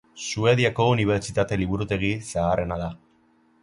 Suediako unibertsitate liburutegi zaharrena da.